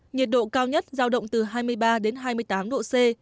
nhiệt độ cao nhất giao động từ hai mươi ba đến hai mươi tám độ c